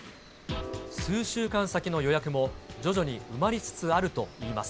数週間先の予約も徐々に埋まりつつあるといいます。